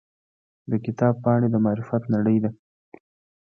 د کتاب پاڼې د معرفت نړۍ ده.